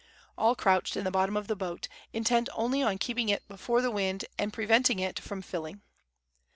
All crouched in the bottom of the boat, intent only on keeping it before the wind and preventing it from filling.